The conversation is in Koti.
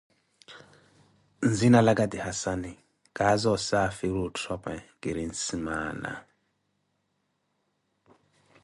Nzinalaka ti Hassane, kaaza osaafiri otthome kiri nsimaana.